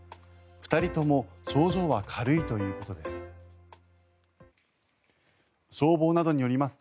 ２人とも症状は軽いということです。